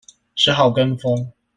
只好跟風